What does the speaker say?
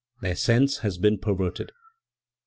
Their sense has been perverted." XI.